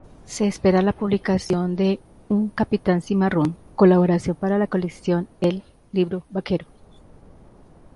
Se espera la publicación de "Un capitán cimarrón" colaboración para la colección El_libro_vaquero.